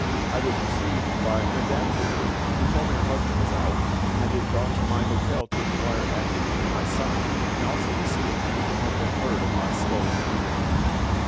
I was received by Madame Derues, who told me her husband was out, and that he had gone to my hotel to inquire after me and my son, and also to see if anything had been heard of my stolen earrings.